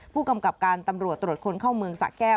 พวกกำกับการตำรวจคนเข้าเมืองซะแก้ว